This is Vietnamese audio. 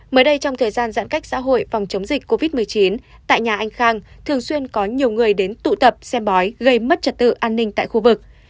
mới đây trong thời gian giãn cách xã hội phòng chống dịch covid một mươi chín tại nhà anh khang thường xuyên có nhiều người đến tụ tập xem bói gây mất trật tự an ninh tại khu vực